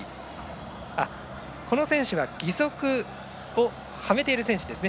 この選手は義足をはめている選手ですね。